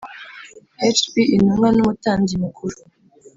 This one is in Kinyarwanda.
Hb intumwa n umutambyi mukuru